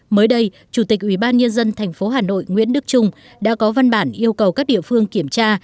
mới đây chủ tịch ubnd thành phố hà nội nguyễn đức trung đã có văn bản yêu cầu các địa phương kiểm tra